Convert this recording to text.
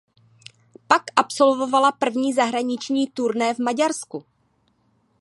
Pak absolvovala první zahraniční turné v Maďarsku.